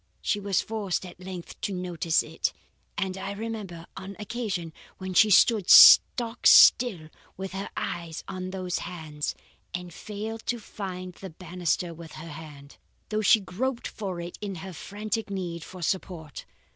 She was forced at length to notice it, and I remember, an occasion when she stood stock still with her eyes on those hands, and failed to find the banister with her hand, though she groped for it in her frantic need for support.